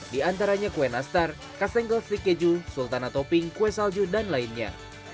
di antaranya kue nastar kassengle strik keju sultana topping kue salju dan lainnya